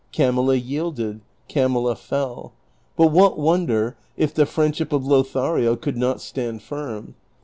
Camilla yielded, Camilla fell ; but what wonder if the friendship of Lothario could not stand firm?